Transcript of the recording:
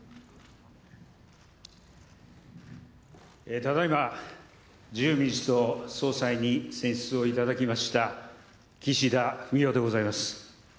ただ今、自由民主党総裁に選出をいただきました、岸田文雄でございます。